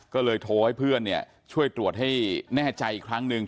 ก็เลยโทรให้เพื่อนช่วยตรวจให้แน่ใจอีกครั้งหนึ่ง